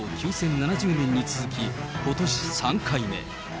７０年に続き、ことし３回目。